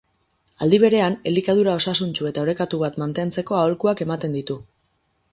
Aldi berean, elikadura osasuntsu eta orekatu bat mantentzeko aholkuak ematen ditu.